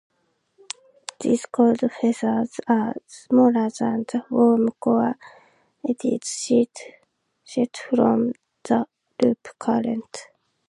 These cold features are smaller than the warm-core eddies shed from the Loop Current.